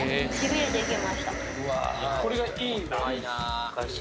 これがいいんだ